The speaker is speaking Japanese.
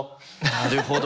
なるほど。